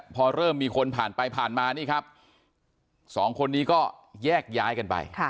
พอเริ่มมีคนผ่านไปผ่านมานี่ครับสองคนนี้ก็แยกย้ายกันไป